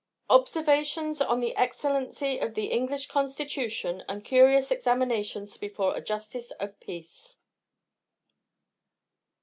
Observations on the excellency of the English constitution and curious examinations before a justice of peace.